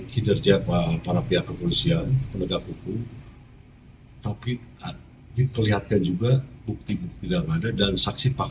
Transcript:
kinerja para pihak kepolisian penegak hukum tapi diperlihatkan juga bukti bukti yang ada dan saksi fakta